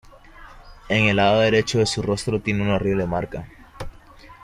En el lado derecho de su rostro tiene una horrible marca.